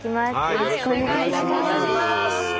よろしくお願いします。